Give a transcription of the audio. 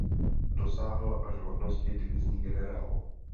Dosáhl až hodnosti divizní generál.